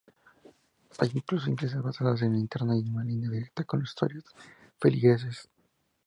Hay incluso iglesias basadas en Internet y en línea directa con los usuarios feligreses.